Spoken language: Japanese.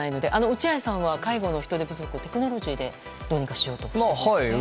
落合さんは介護の人手不足をテクノロジーでどうにかしようとしているんですよね。